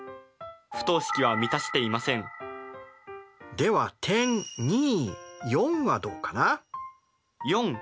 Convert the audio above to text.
では点はどうかな？